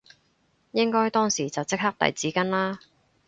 應該當時就即刻遞紙巾啦